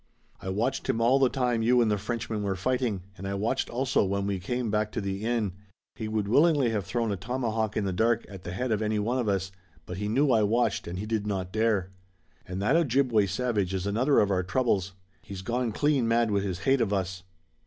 "I watched him all the time you and the Frenchman were fighting, and I watched also when we came back to the inn. He would willingly have thrown a tomahawk in the dark at the head of any one of us, but he knew I watched and he did not dare." "And that Ojibway savage is another of our troubles. He's gone clean mad with his hate of us."